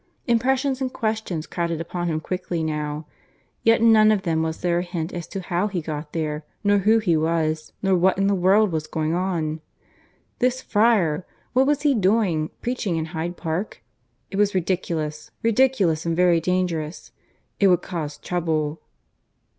Impressions and questions crowded upon him quickly now yet in none of them was there a hint as to how he got here, nor who he was, nor what in the world was going on. This friar! What was he doing, preaching in Hyde Park? It was ridiculous ridiculous and very dangerous. It would cause trouble.